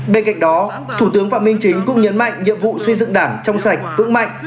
bên cạnh đó thủ tướng phạm minh chính cũng nhấn mạnh nhiệm vụ xây dựng đảng trong sạch vững mạnh